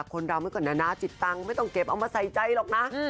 คนเราเมื่อก่อนนานาจิตตังค์ไม่ต้องเก็บเอามาใส่ใจหรอกนะ